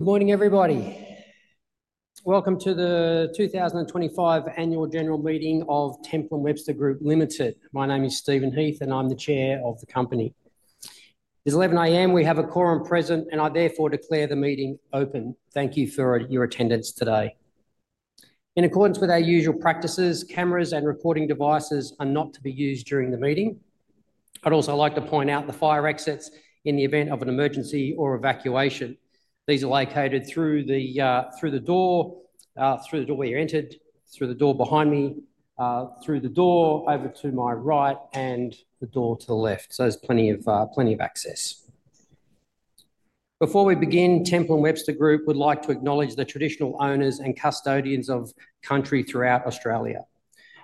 Good morning, everybody. Welcome to the 2025 Annual General Meeting of Temple & Webster Group Ltd. My name is Stephen Heath, and I'm the Chair of the company. It's 11:00 A.M. We have a quorum present, and I therefore declare the meeting open. Thank you for your attendance today. In accordance with our usual practices, cameras and recording devices are not to be used during the meeting. I'd also like to point out the fire exits in the event of an emergency or evacuation. These are located through the door where you entered, through the door behind me, through the door over to my right, and the door to the left. There's plenty of access. Before we begin, Temple & Webster Group would like to acknowledge the traditional owners and custodians of country throughout Australia.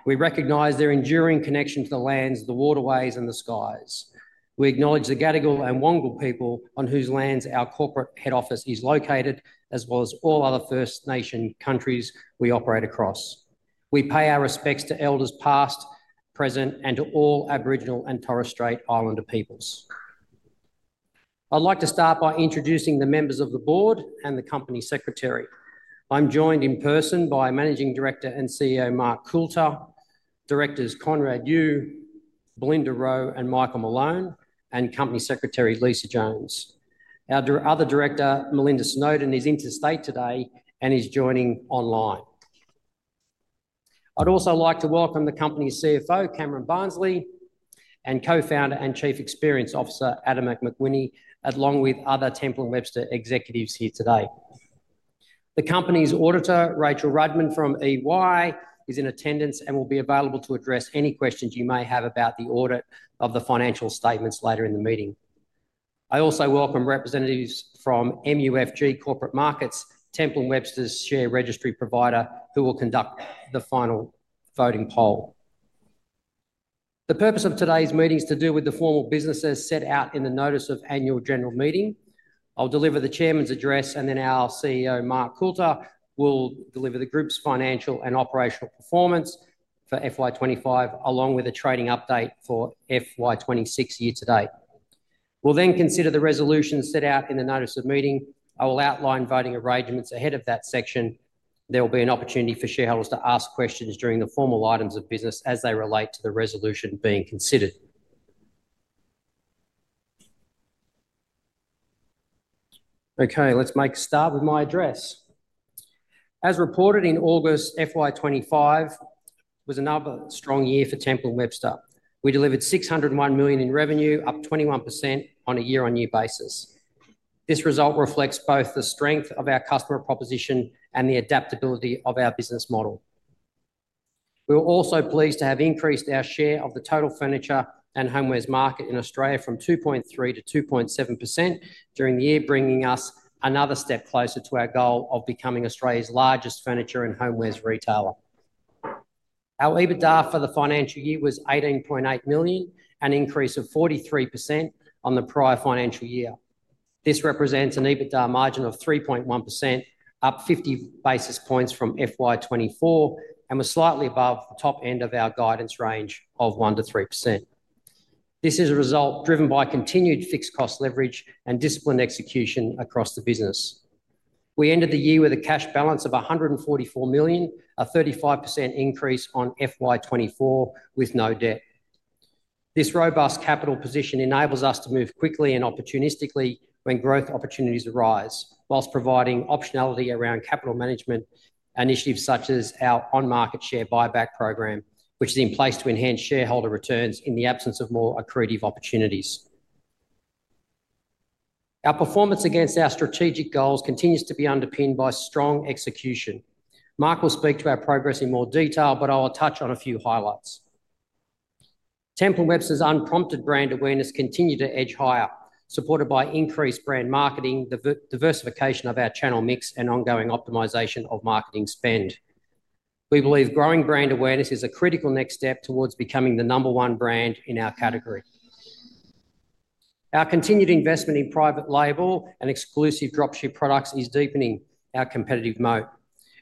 We recognize their enduring connection to the lands, the waterways, and the skies. We acknowledge the Gadigal and Wangal people on whose lands our Corporate Head Office is located, as well as all other First Nation countries we operate across. We pay our respects to elders past, present, and to all Aboriginal and Torres Strait Islander peoples. I'd like to start by introducing the members of the board and the Company Secretary. I'm joined in person by Managing Director and CEO Mark Coulter, Directors Conrad Yu, Belinda Rowe, and Michael Malone, and Company Secretary Lisa Jones. Our other Director, Melinda Snowden, is interstate today and is joining online. I'd also like to welcome the company's CFO, Cameron Barnsley, and Co-founder and Chief Experience Officer, Adam McMacWinney, along with other Temple & Webster executives here today. The company's auditor, Rachel Rudman from EY, is in attendance and will be available to address any questions you may have about the audit of the financial statements later in the meeting. I also welcome representatives from MUFG Corporate Markets, Temple & Webster's share registry provider, who will conduct the final voting poll. The purpose of today's meeting is to do with the formal businesses set out in the Notice of Annual General Meeting. I'll deliver the Chairman's address, and then our CEO, Mark Coulter, will deliver the Group's Financial and Operational Performance for FY25, along with a trading update for FY26 year to date. We'll then consider the resolutions set out in the Notice of Meeting. I will outline voting arrangements ahead of that section. There will be an opportunity for shareholders to ask questions during the formal items of business as they relate to the resolution being considered. Okay, let's make a start with my address. As reported in August, FY25 was another strong year for Temple & Webster. We delivered 601 million in Revenue, up 21% on a year-on-year basis. This result reflects both the strength of our customer proposition and the adaptability of our business model. We were also pleased to have increased our share of the total furniture and homewares market in Australia from 2.3% to 2.7% during the year, bringing us another step closer to our goal of becoming Australia's Largest Furniture and Homewares Retailer. Our EBITDA for the financial year was 18.8 million, an increase of 43% on the prior financial year. This represents an EBITDA margin of 3.1%, up 50 basis points from FY24, and was slightly above the top end of our guidance range of 1%-3%. This is a result driven by continued fixed cost leverage and disciplined execution across the business. We ended the year with a cash balance of 144 million, a 35% increase on FY24 with no debt. This robust capital position enables us to move quickly and opportunistically when growth opportunities arise, whilst providing optionality around capital management initiatives such as our on-market share buyback program, which is in place to enhance shareholder returns in the absence of more accretive opportunities. Our performance against our strategic goals continues to be underpinned by strong execution. Mark will speak to our progress in more detail, but I'll touch on a few highlights. Temple & Webster's unprompted brand awareness continued to edge higher, supported by increased brand marketing, the diversification of our channel mix, and ongoing optimization of marketing spend. We believe growing brand awareness is a critical next step towards becoming the number one brand in our category. Our continued investment in private label and exclusive dropship products is deepening our competitive moat,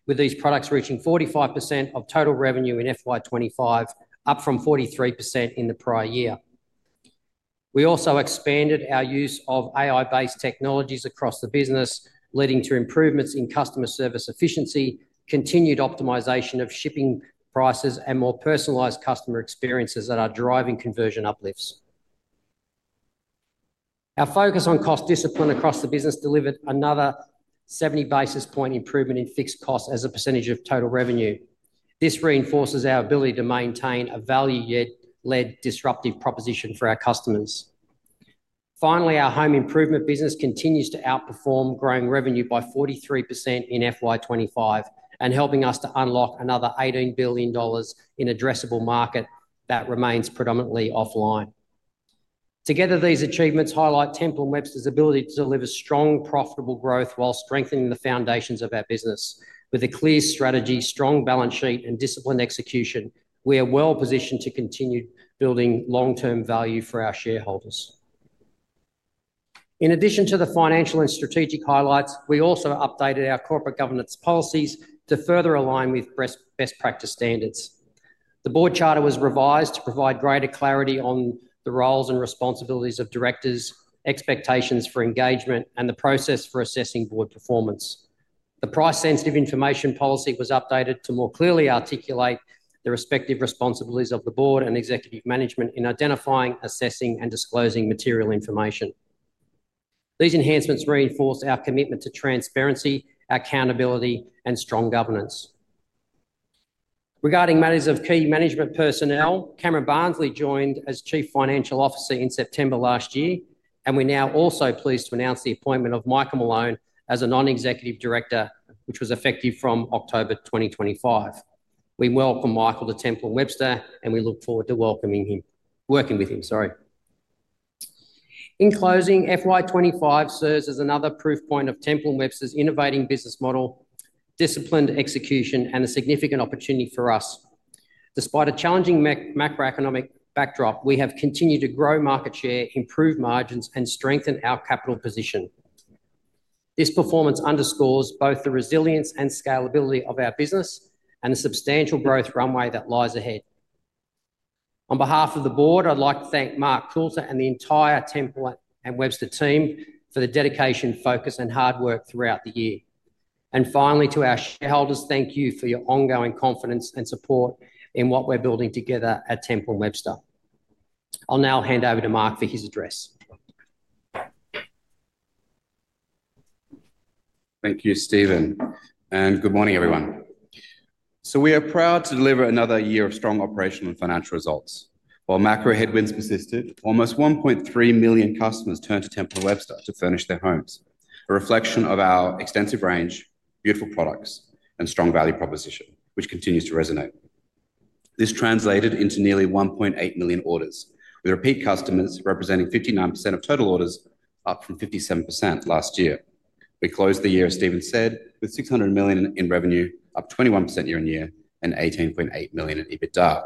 with these products reaching 45% of total revenue in FY25, up from 43% in the prior year. We also expanded our use of AI-based technologies across the business, leading to improvements in customer service efficiency, continued optimization of shipping prices, and more personalized customer experiences that are driving conversion uplifts. Our focus on cost discipline across the business delivered another 70 basis point improvement in fixed costs as a percentage of total revenue. This reinforces our ability to maintain a value-led disruptive proposition for our customers. Finally, our home improvement business continues to outperform, growing revenue by 43% in FY25 and helping us to unlock another AUD 18 billion in addressable market that remains predominantly offline. Together, these achievements highlight Temple & Webster's ability to deliver strong, profitable growth while strengthening the foundations of our business. With a clear strategy, strong balance sheet, and disciplined execution, we are well positioned to continue building long-term value for our shareholders. In addition to the financial and strategic highlights, we also updated our corporate governance policies to further align with best practice standards. The board charter was revised to provide greater clarity on the roles and responsibilities of Directors, expectations for engagement, and the process for assessing board performance. The price-sensitive information policy was updated to more clearly articulate the respective responsibilities of the board and executive management in identifying, assessing, and disclosing material information. These enhancements reinforce our commitment to transparency, accountability, and strong governance. Regarding matters of key management personnel, Cameron Barnsley joined as Chief Financial Officer in September last year, and we're now also pleased to announce the appointment of Michael Malone as a non-executive director, which was effective from October 2025. We welcome Michael to Temple & Webster, and we look forward to welcoming him, working with him, sorry. In closing, FY25 serves as another proof point of Temple & Webster's innovating business model, disciplined execution, and a significant opportunity for us. Despite a challenging macroeconomic backdrop, we have continued to grow market share, improve margins, and strengthen our capital position. This performance underscores both the resilience and scalability of our business and the substantial growth runway that lies ahead. On behalf of the board, I'd like to thank Mark Coulter and the entire Temple & Webster team for the dedication, focus, and hard work throughout the year. To our shareholders, thank you for your ongoing confidence and support in what we're building together at Temple & Webster. I'll now hand over to Mark for his address. Thank you, Stephen, and good morning, everyone. We are proud to deliver another year of strong operational and financial results. While macro headwinds persisted, almost 1.3 million customers turned to Temple & Webster to furnish their homes, a reflection of our extensive range, beautiful products, and strong value proposition, which continues to resonate. This translated into nearly 1.8 million orders, with repeat customers representing 59% of total orders, up from 57% last year. We closed the year, as Stephen said, with 600 million in revenue, up 21% year-on-year, and 18.8 million in EBITDA.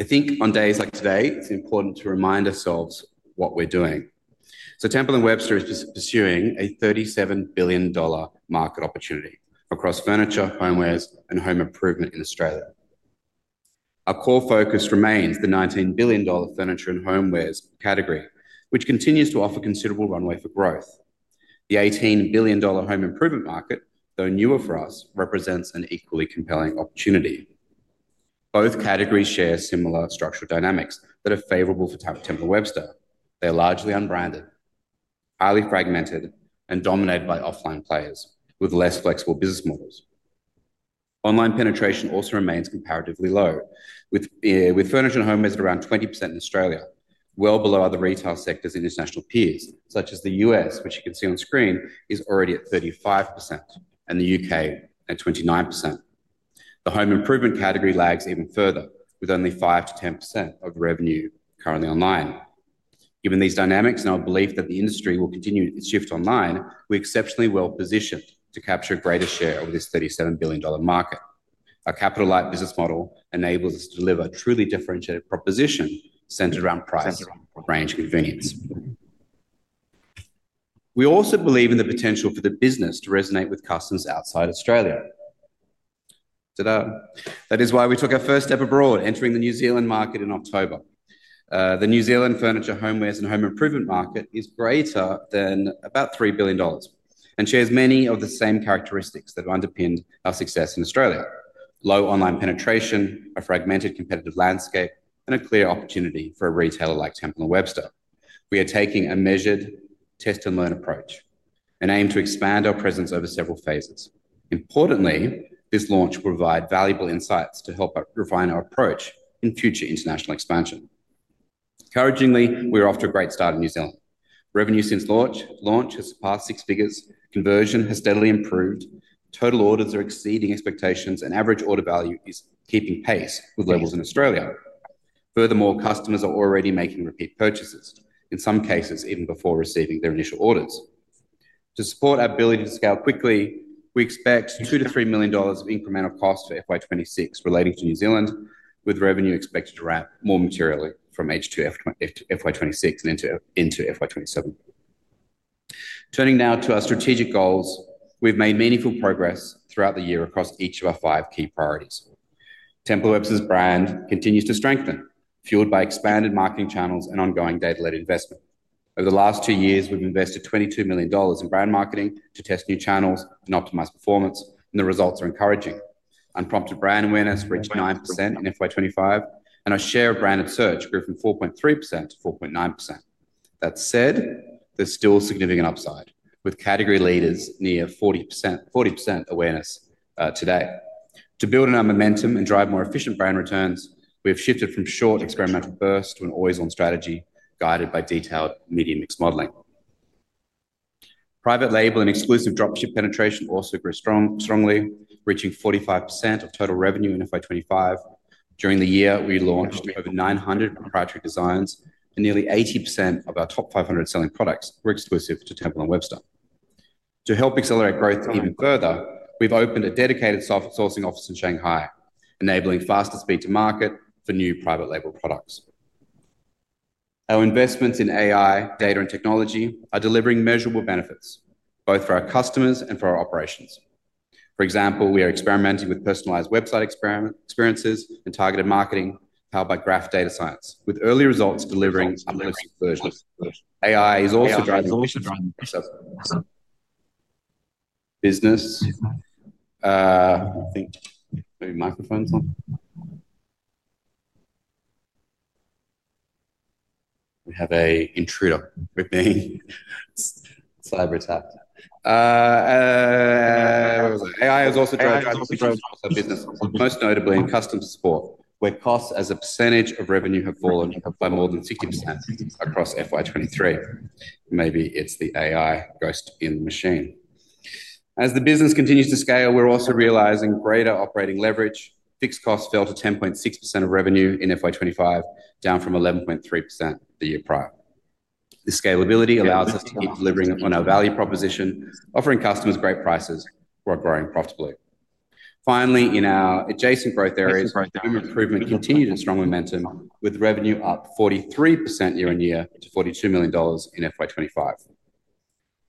I think on days like today, it's important to remind ourselves what we're doing. Temple & Webster is pursuing a 37 billion dollar market opportunity across furniture, homewares, and home improvement in Australia. Our core focus remains the 19 billion dollar furniture and homewares category, which continues to offer considerable runway for growth. The 18 billion dollar home improvement market, though newer for us, represents an equally compelling opportunity. Both categories share similar structural dynamics that are favorable for Temple & Webster. They are largely unbranded, highly fragmented, and dominated by offline players, with less flexible business models. Online penetration also remains comparatively low, with furniture and homewares at around 20% in Australia, well below other retail sectors' international peers, such as the U.S., which you can see on screen, is already at 35%, and the U.K. at 29%. The home improvement category lags even further, with only 5%-10% of revenue currently online. Given these dynamics and our belief that the industry will continue its shift online, we are exceptionally well positioned to capture a greater share of this 37 billion dollar market. Our capital-light business model enables us to deliver a truly differentiated proposition centered around price and range convenience. We also believe in the potential for the business to resonate with customers outside Australia. That is why we took our first step abroad, entering the New Zealand market in October. The New Zealand furniture, homewares, and home improvement market is greater than about 3 billion dollars and shares many of the same characteristics that underpinned our success in Australia: low online penetration, a fragmented competitive landscape, and a clear opportunity for a retailer like Temple & Webster. We are taking a measured test-and-learn approach and aim to expand our presence over several phases. Importantly, this launch will provide valuable insights to help refine our approach in future international expansion. Encouragingly, we are off to a great start in New Zealand. Revenue since launch has surpassed six figures, conversion has steadily improved, total orders are exceeding expectations, and average order value is keeping pace with levels in Australia. Furthermore, customers are already making repeat purchases, in some cases even before receiving their initial orders. To support our ability to scale quickly, we expect 2 million-3 million dollars of incremental costs for FY26 relating to New Zealand, with revenue expected to ramp more materially from H2 FY26 and into FY27. Turning now to our strategic goals, we have made meaningful progress throughout the year across each of our five key priorities. Temple & Webster's brand continues to strengthen, fueled by expanded marketing channels and ongoing data-led investment. Over the last two years, we have invested 22 million dollars in brand marketing to test new channels and optimize performance, and the results are encouraging. Unprompted brand awareness reached 9% in FY25, and our share of branded search grew from 4.3% to 4.9%. That said, there is still significant upside, with category leaders near 40% awareness today. To build on our momentum and drive more efficient brand returns, we have shifted from short experimental bursts to an always-on strategy guided by detailed media mix modelling. Private label and exclusive dropship penetration also grew strongly, reaching 45% of total revenue in FY25. During the year, we launched over 900 proprietary designs, and nearly 80% of our top 500 selling products were exclusive to Temple & Webster. To help accelerate growth even further, we've opened a dedicated sourcing office in Shanghai, enabling faster speed to market for new private label products. Our investments in AI, data, and technology are delivering measurable benefits, both for our customers and for our operations. For example, we are experimenting with personalised website experiences and targeted marketing powered by graph data science, with early results delivering unprecedented versions. AI is also driving business. I think maybe microphone's on. We have an intruder with me. Cyber attack. AI has also driven business, most notably in customer support, where costs as a percentage of revenue have fallen by more than 50% across FY23. Maybe it's the AI ghost in the machine. As the business continues to scale, we're also realizing greater operating leverage. Fixed costs fell to 10.6% of revenue in FY25, down from 11.3% the year prior. The scalability allows us to keep delivering on our value proposition, offering customers great prices while growing profitably. Finally, in our adjacent growth areas, home improvement continued in strong momentum, with revenue up 43% year-on-year to 42 million dollars in FY25.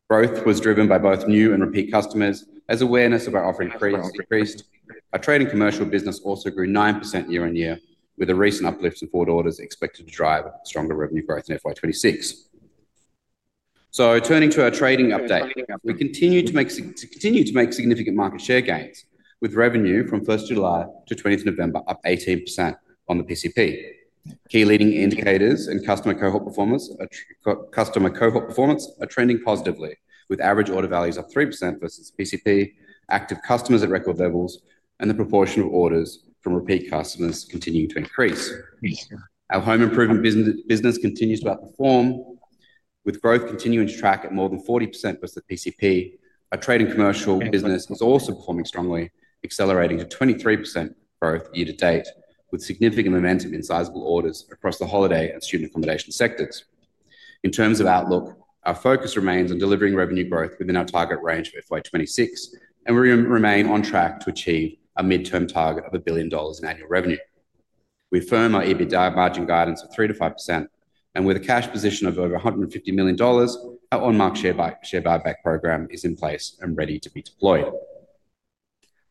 Growth was driven by both new and repeat customers as awareness of our offering increased. Our Trade & Commercial division services also grew 9% year-on-year, with a recent uplift in forward orders expected to drive stronger Revenue Growth in FY26. Turning to our trading update, we continue to make significant market share gains, with revenue from 1 July to 20 November up 18% on the PCP. Key leading indicators and customer cohort performance are trending positively, with average order values up 3% versus the PCP, active customers at record levels, and the proportion of orders from repeat customers continuing to increase. Our home improvement business continues to outperform, with growth continuing to track at more than 40% versus the PCP. Our Trade & Commercial business is also performing strongly, accelerating to 23% growth year-to-date, with significant momentum in sizable orders across the holiday and student accommodation sectors. In terms of outlook, our focus remains on delivering revenue growth within our target range of FY26, and we remain on track to achieve a midterm target of 1 billion dollars in Annual Revenue. We affirm our EBITDA margin guidance of 3%-5%, and with a cash position of over 150 million dollars, our on-market share buyback program is in place and ready to be deployed.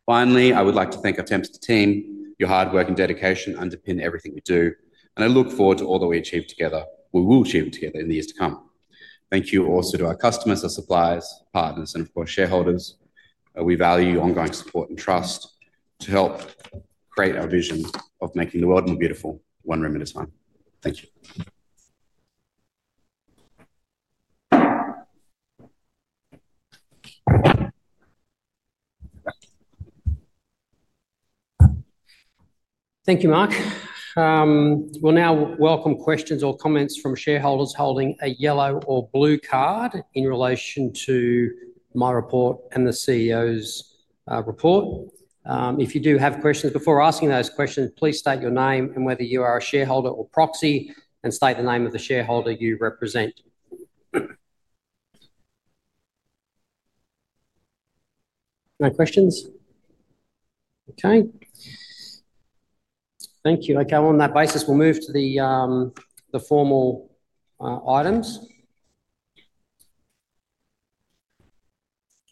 Finally, I would like to thank our Temple & Webster Team. Your hard work and dedication underpin everything we do, and I look forward to all that we achieve together. We will achieve it together in the years to come. Thank you also to our customers, our suppliers, partners, and of course, shareholders. We value your ongoing support and trust to help create our vision of making the world more beautiful one room at a time. Thank you. Thank you, Mark. We'll now welcome questions or comments from shareholders holding a yellow or blue card in relation to my report and the CEO's report. If you do have questions before asking those questions, please state your name and whether you are a shareholder or proxy, and state the name of the shareholder you represent. No questions? Okay. Thank you. Okay, on that basis, we'll move to the formal items.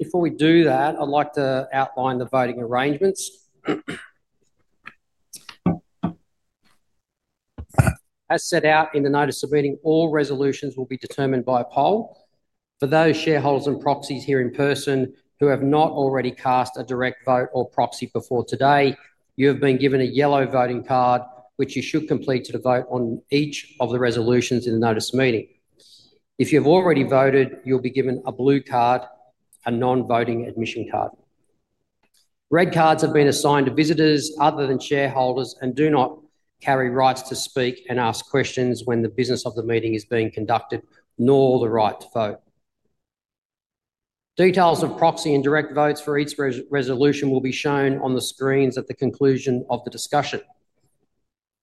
Before we do that, I'd like to outline the voting arrangements. As set out in the notice of meeting, all resolutions will be determined by poll. For those shareholders and proxies here in person who have not already cast a direct vote or proxy before today, you have been given a yellow voting card, which you should complete to vote on each of the resolutions in the notice of meeting. If you have already voted, you'll be given a blue card, a non-voting admission card. Red cards have been assigned to visitors other than shareholders and do not carry rights to speak and ask questions when the business of the meeting is being conducted, nor the right to vote. Details of proxy and direct votes for each resolution will be shown on the screens at the conclusion of the discussion.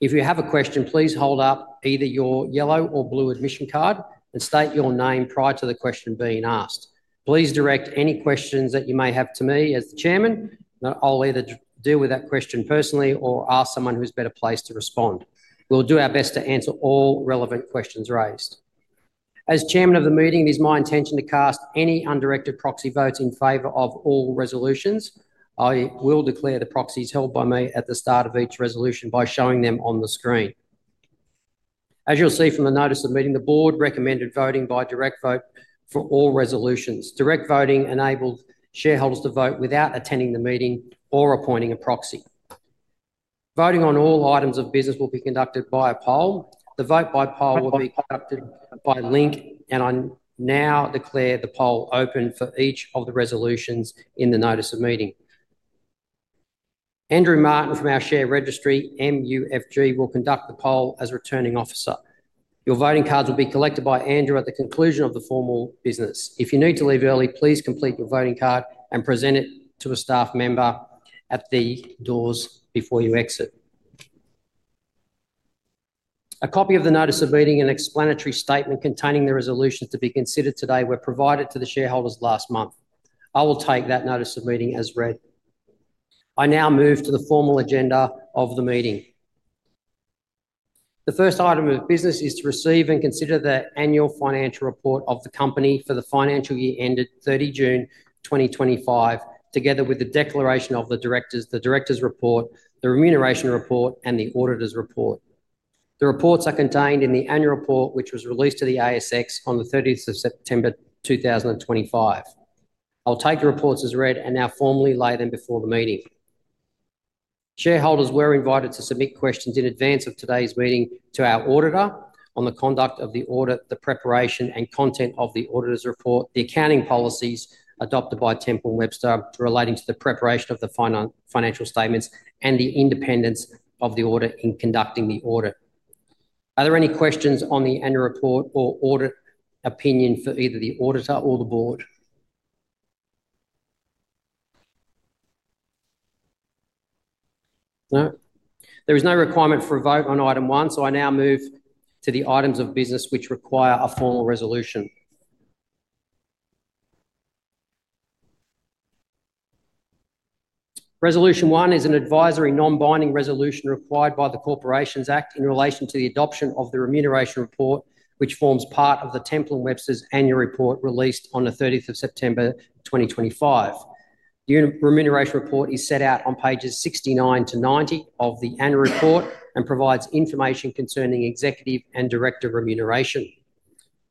If you have a question, please hold up either your yellow or blue admission card and state your name prior to the question being asked. Please direct any questions that you may have to me as the chairman. I'll either deal with that question personally or ask someone who's better placed to respond. We'll do our best to answer all relevant questions raised. As Chairman of the meeting, it is my intention to cast any Undirected Proxy Votes in favor of all resolutions. I will declare the proxies held by me at the start of each resolution by showing them on the screen. As you'll see from the notice of meeting, the Board recommended voting by direct vote for all resolutions. Direct voting enables shareholders to vote without attending the meeting or appointing a proxy. Voting on all items of business will be conducted by a poll. The vote by poll will be conducted by Link, and I now declare the poll open for each of the resolutions in the notice of meeting. Andrew Martin from our share registry, MUFG, will conduct the poll as returning officer. Your voting cards will be collected by Andrew at the conclusion of the formal business. If you need to leave early, please complete your voting card and present it to a staff member at the doors before you exit. A copy of the notice of meeting and explanatory statement containing the resolutions to be considered today were provided to the shareholders last month. I will take that notice of meeting as read. I now move to the formal agenda of the meeting. The first item of business is to receive and consider the annual financial report of the company for the financial year ended 30th of June 2025, together with the declaration of the directors, the directors' report, the remuneration report, and the auditor's report. The reports are contained in the annual report, which was released to the ASX on the 30th of September 2025. I'll take the reports as read and now formally lay them before the meeting. Shareholders were invited to submit questions in advance of today's meeting to our auditor on the conduct of the audit, the preparation and content of the auditor's report, the accounting policies adopted by Temple & Webster relating to the preparation of the financial statements, and the independence of the auditor in conducting the audit. Are there any questions on the annual report or audit opinion for either the auditor or the board? No? There is no requirement for a vote on item one, so I now move to the items of business which require a formal resolution. Resolution 1 is an advisory non-binding resolution required by the Corporations Act in relation to the adoption of the remuneration report, which forms part of Temple & Webster's Annual Report released on the 30th of September 2025. The remuneration report is set out on pages 69 to 90 of the annual report and provides information concerning executive and director remuneration.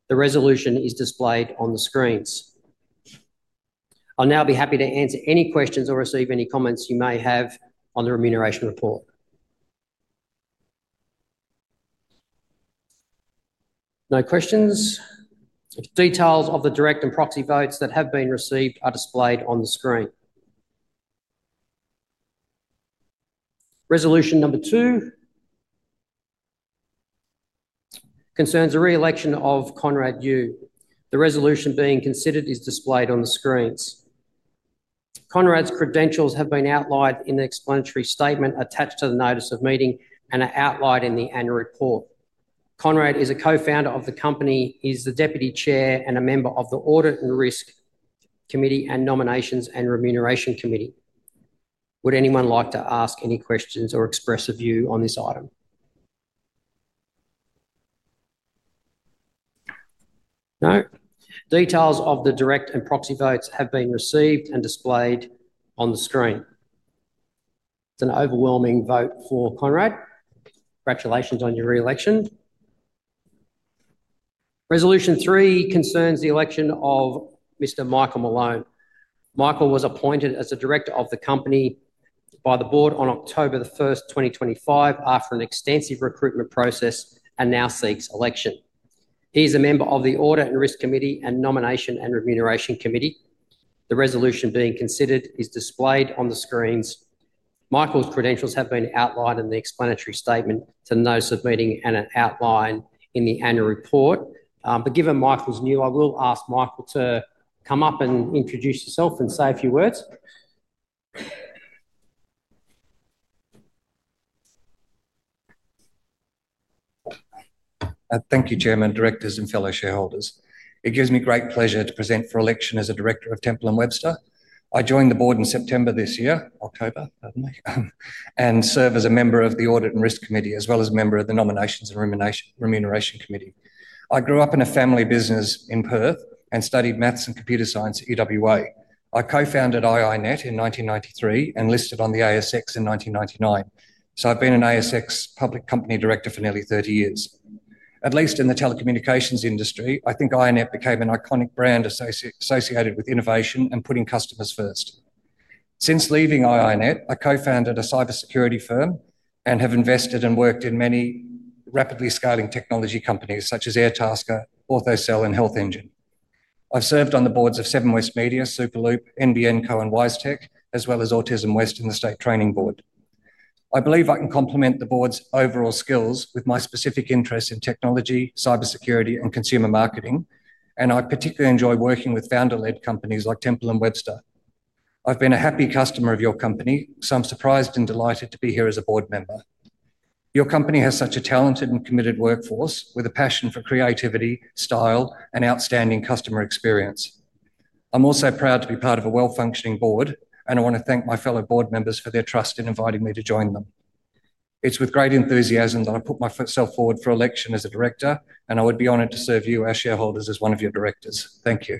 The resolution is displayed on the screens. I'll now be happy to answer any questions or receive any comments you may have on the remuneration report. No questions? Details of the direct and proxy votes that have been received are displayed on the screen. Resolution number 2 concerns a re-election of Conrad Yu. The resolution being considered is displayed on the screens. Conrad's credentials have been outlined in the explanatory statement attached to the notice of meeting and are outlined in the annual report. Conrad is a co-founder of the company, is the Deputy Chair, and a member of the Audit and Risk Committee and Nominations and Remuneration Committee. Would anyone like to ask any questions or express a view on this item? No? Details of the direct and proxy votes have been received and displayed on the screen. It's an overwhelming vote for Conrad. Congratulations on your re-election. Resolution 3 concerns the election of Mr. Michael Malone. Michael was appointed as the director of the company by the board on October 1, 2025, after an extensive recruitment process, and now seeks election. He is a member of the Audit and Risk Committee and Nomination and Remuneration Committee. The resolution being considered is displayed on the screens. Michael's credentials have been outlined in the explanatory statement to the notice of meeting and an outline in the annual report. Given Michael's new, I will ask Michael to come up and introduce yourself and say a few words. Thank you, Chairman, directors, and fellow shareholders. It gives me great pleasure to present for election as a director of Temple & Webster. I joined the board in September this year, October, and serve as a member of the Audit and Risk Committee, as well as a member of the Nominations and Remuneration Committee. I grew up in a family business in Perth and studied Mathematics and Computer Science at UWA. I co-founded iiNet in 1993 and listed on the ASX in 1999. I have been an ASX public company director for nearly 30 years. At least in the Telecommunications Industry, I think iiNet became an Iconic Brand associated with innovation and putting customers first. Since leaving iiNet, I Co-founded a Cybersecurity firm and have invested and worked in many rapidly scaling technology companies such as Airtasker, AutoCell, and HealthEngine. I've served on the boards of Seven West Media, Superloop, NBN Co, and WiseTech, as well as Autism West and the State Training Board. I believe I can complement the board's overall skills with my specific interest in technology, cybersecurity, and consumer marketing, and I particularly enjoy working with founder-led companies like Temple & Webster. I've been a happy customer of your company, so I'm surprised and delighted to be here as a board member. Your company has such a talented and committed workforce with a passion for creativity, style, and outstanding customer experience. I'm also proud to be part of a well-functioning board, and I want to thank my fellow board members for their trust in inviting me to join them. It's with great enthusiasm that I put myself forward for election as a Director, and I would be honored to serve you, our shareholders, as one of your Directors. Thank you.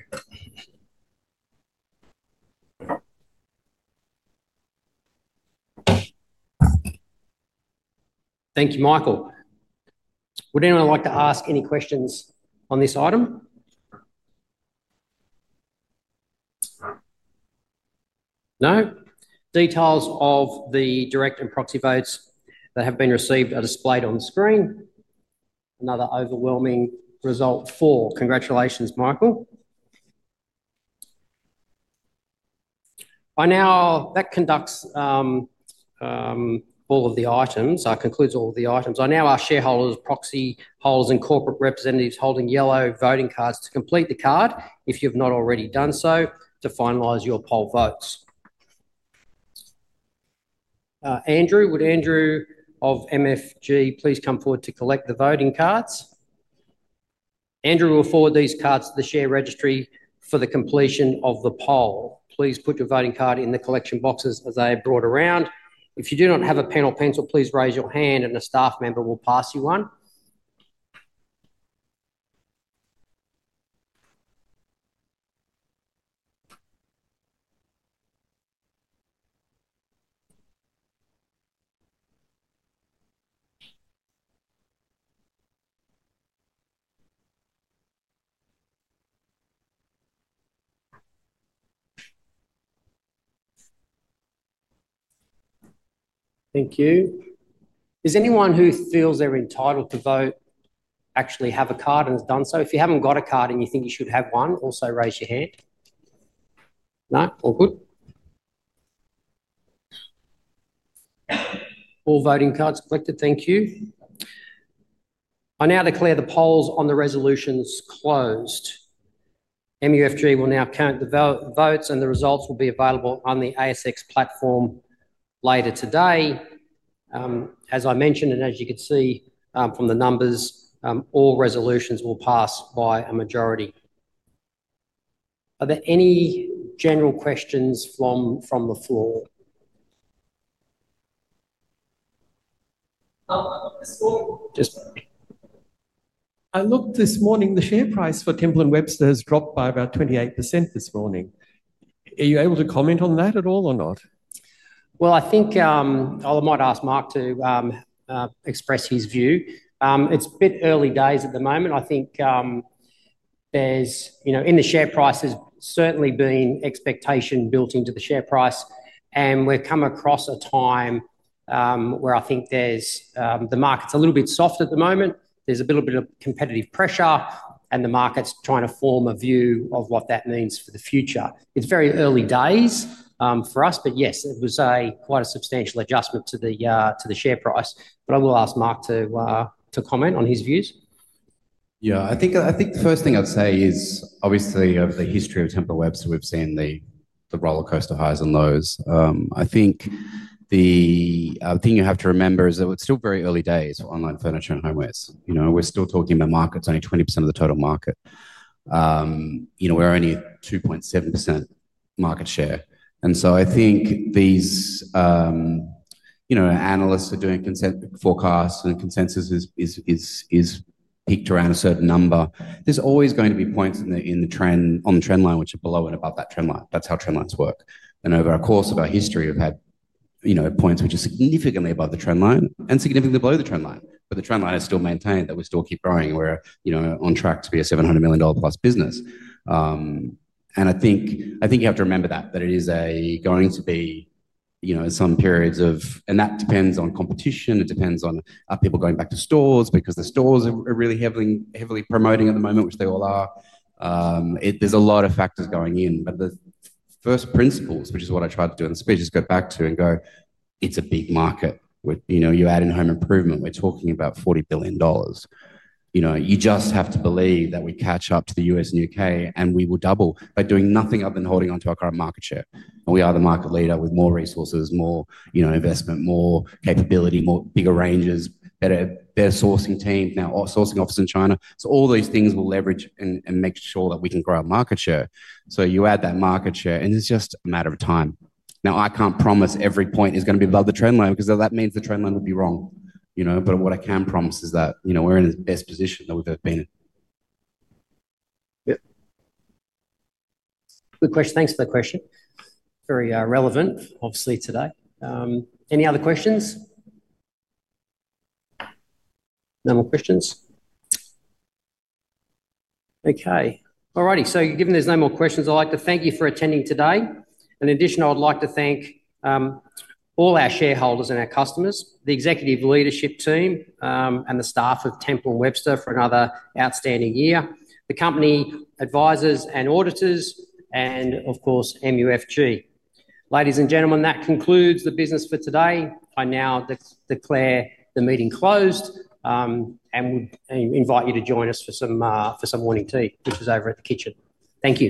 Thank you, Michael. Would anyone like to ask any questions on this item? No? Details of the direct and proxy votes that have been received are displayed on the screen. Another overwhelming result for. Congratulations, Michael. By now, that concludes all of the items. I now ask Shareholders, Proxy Holders, and Corporate representatives holding yellow voting cards to complete the card, if you have not already done so, to finalize your poll votes. Andrew, would Andrew of MUFG please come forward to collect the voting cards? Andrew will forward these cards to the share registry for the completion of the poll. Please put your voting card in the collection boxes as I brought around. If you do not have a pen or pencil, please raise your hand, and a staff member will pass you one. Thank you. Does anyone who feels they're entitled to vote actually have a card and has done so? If you haven't got a card and you think you should have one, also raise your hand. No? All good? All voting cards collected. Thank you. I now declare the polls on the resolutions closed. MUFG will now count the votes, and the results will be available on the ASX platform later today. As I mentioned, and as you can see from the numbers, all resolutions will pass by a majority. Are there any general questions from the floor? I looked this morning. The share price for Temple & Webster has dropped by about 28% this morning. Are you able to comment on that at all or not? I think I might ask Mark to express his view. It's a bit early days at the moment. I think there's, you know, in the share price has certainly been expectation built into the share price, and we've come across a time where I think the market's a little bit soft at the moment. There's a little bit of competitive pressure, and the market's trying to form a view of what that means for the future. It's very early days for us, but yes, it was quite a substantial adjustment to the share price. I will ask Mark to comment on his views. Yeah, I think the first thing I'd say is, obviously, of the history of Temple & Webster, we've seen the roller coaster highs and lows. I think the thing you have to remember is that it's still very early days for online furniture and homewares. You know, we're still talking about markets, only 20% of the total market. You know, we're only 2.7% market share. I think these, you know, analysts are doing forecasts, and consensus is picked around a certain number. There's always going to be points in the trend on the trend line which are below and above that trend line. That's how trend lines work. Over a course of our history, we've had, you know, points which are significantly above the trend line and significantly below the trend line. The trend line is still maintained that we still keep growing. We're, you know, on track to be a $700 million plus business. I think you have to remember that, that it is going to be, you know, some periods of, and that depends on competition. It depends on people going back to stores because the stores are really heavily promoting at the moment, which they all are. There's a lot of factors going in. The first principles, which is what I tried to do in the speech, is go back to and go, it's a big market. You know, you add in home improvement, we're talking about $40 billion. You know, you just have to believe that we catch up to the U.S. and U.K., and we will double by doing nothing other than holding on to our current market share. We are the market leader with more resources, more, you know, investment, more capability, bigger ranges, better sourcing team, now sourcing office in China. All these things will leverage and make sure that we can grow our market share. You add that market share, and it's just a matter of time. Now, I can't promise every point is going to be above the trend line because that means the trend line will be wrong, you know, but what I can promise is that, you know, we're in the best position that we've ever been in. Good question. Thanks for the question. Very relevant, obviously, today. Any other questions? No more questions? Okay. All righty. Given there's no more questions, I'd like to thank you for attending today. In addition, I would like to thank all our shareholders and our customers, the executive leadership team, and the staff of Temple & Webster for another outstanding year, the company advisors and auditors, and of course, MUFG. Ladies and gentlemen, that concludes the business for today. I now declare the meeting closed and invite you to join us for some morning tea, which is over at the kitchen. Thank you.